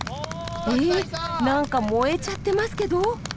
えっなんか燃えちゃってますけど？